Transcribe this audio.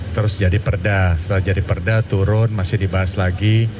terus jadi perda setelah jadi perda turun masih dibahas lagi